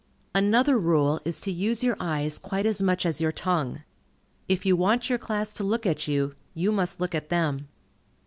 Another rule is to use your eyes quite as much as your tongue. If you want your class to look at you, you must look at them.